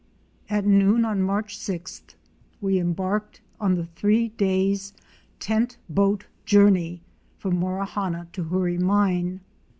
At noon on March 6th we embarked on the three days' tent boat journey from Morawhanna to Hoorie Mine.